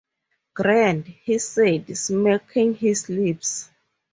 “Grand!” he said, smacking his lips.